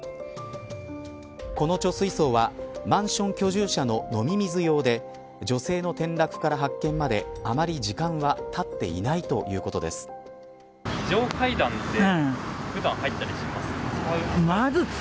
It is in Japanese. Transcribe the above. この貯水槽はマンション居住者の飲み水用で女性の転落から発見まであまり時間は経っていないとのことです。